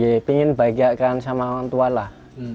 iya ingin bagiakan sama orang tua lah